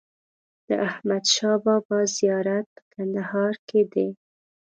د احمد شا بابا زیارت په کندهار کی دی